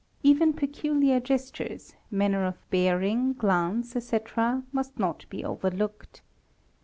even peculiar gestures, manner of bearing, glance, etc., must not be overlooked.